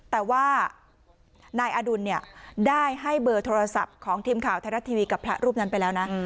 แต่ว่านายอดุลเนี่ยได้ให้เบอร์โทรศัพท์ของทีมข่าวไทยรัฐทีวีกับพระรูปนั้นไปแล้วนะ